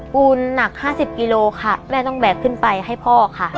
ปูนหนัก๕๐กิโลค่ะแม่ต้องแบกขึ้นไปให้พ่อค่ะ